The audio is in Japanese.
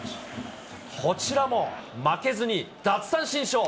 こちらも負けずに、奪三振ショー。